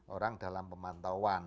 orang dalam pemantauan